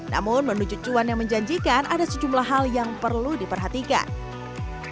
namun menuju cuan yang menjanjikan ada sejumlah hal yang perlu diperhatikan